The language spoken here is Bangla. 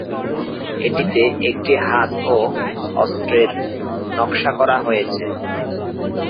এটিতে একটি হাত ও অস্ত্রের নকশা করা হয়েছে।